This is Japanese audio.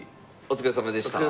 お疲れさまでした。